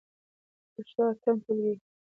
پښتو اتم ټولګی.